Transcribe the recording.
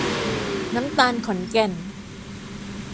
น้ำตาลขอนแก่น